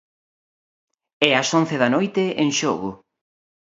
E ás once da noite En Xogo.